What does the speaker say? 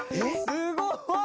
すごい！